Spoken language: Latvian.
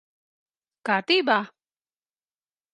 Kārtībā?